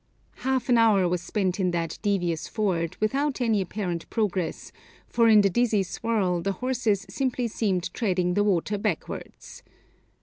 Half an hour was spent in that devious ford, without any apparent progress, for in the dizzy swirl the horses simply seemed treading the water backwards.